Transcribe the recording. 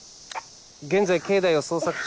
現在境内を捜索中。